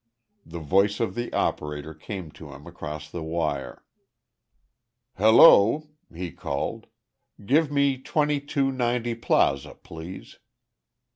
The voice of the operator came to him across the wire. "Hello," he called, "Give me 2290 Plaza, please."